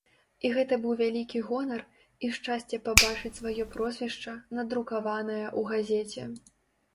І гэта быў вялікі гонар, і шчасце пабачыць сваё прозвішча, надрукаванае ў газеце.